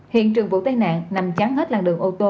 hiện trường vụ tai nạn nằm chán hết làng đường ô tô